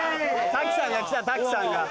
瀧さんが来た瀧さんが。